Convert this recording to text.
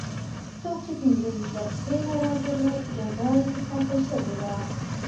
څوک چې پنځه ویشت دقیقې غیر حاضر و جزا یې ټاکل شوې وه.